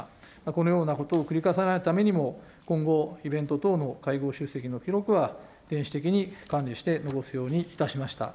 このようなことを繰り返さないためにも、今後、イベント等の会合出席の記録は電子的に管理して残すようにいたしました。